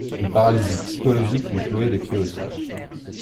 Une paralysie psychologique lui clouait les pieds au sol.